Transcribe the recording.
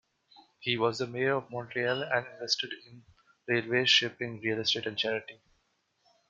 He was Mayor of Montreal and invested in railways, shipping, real estate and charity.